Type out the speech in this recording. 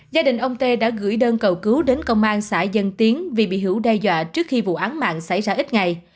gia đình ông tê đã gửi đơn cầu cứu đến công an xã dân tiến vì bị hữu đe dọa trước khi vụ án mạng xảy ra ít ngày